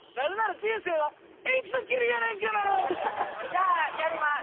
じゃあやります。